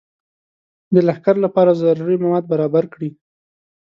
د لښکر لپاره ضروري مواد برابر کړي.